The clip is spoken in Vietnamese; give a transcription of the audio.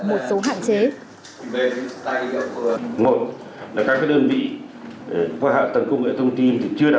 một số hạn chế